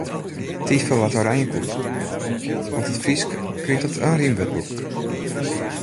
Tiid foar wat oranjekoek, want it Frysk kriget in rymwurdboek.